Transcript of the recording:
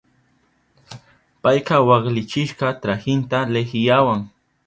Payka waklichishka trahinta lihiyawa.